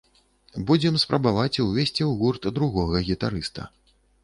Будзем спрабаваць ўвесці ў гурт другога гітарыста.